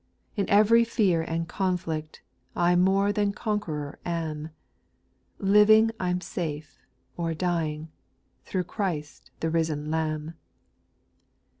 In every fear and conflict, I more than conqueror am ; Living I 'm safe, or dying, Through Christ the risen Lamb.